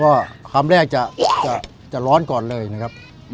ว่าคำแรกจะจะจะร้อนก่อนเลยนะครับอืม